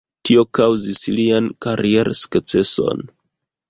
Tio kaŭzis lian kariersukceson.